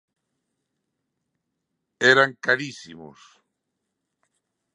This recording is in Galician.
Eran carísimos.